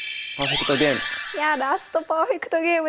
ラストパーフェクトゲームです。